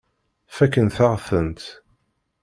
Fakkent-aɣ-tent.